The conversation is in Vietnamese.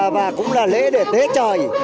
và cũng là lễ để tế trời